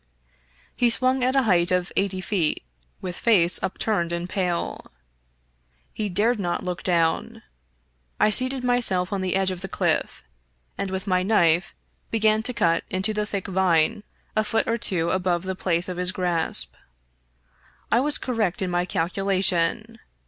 He swung at a height of eighty feet, with face upturned and pale. He dared not look down. I seated myself on the edge of the cliff, and with my knife began to cut into the thick vine a foot or two above the place of his grasp. I was correct in my calculation.